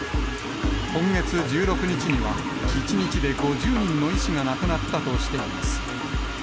今月１６日には１日で５０人の医師が亡くなったとしています。